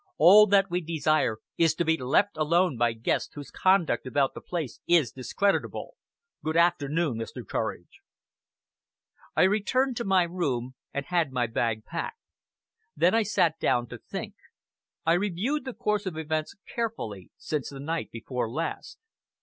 All that we desire is to be left alone by guests whose conduct about the place is discreditable. Good afternoon, Mr. Courage!" I returned to my room and had my bag packed. Then I sat down to think. I reviewed the course of events carefully since the night before last.